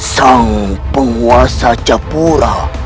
sang penguasa capura